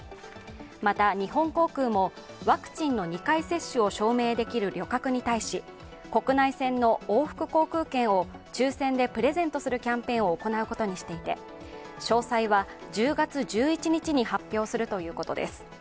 また日本航空もワクチンの２回接種を証明できる旅客に対し、国内線の往復航空券を抽選でプレゼントするキャンペーンを行うことにしていて、詳細は１０月１１日に発表するということです。